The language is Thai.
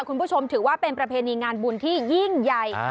คุณผู้ชมถือว่าเป็นประเพณีงานบุญที่ยิ่งใหญ่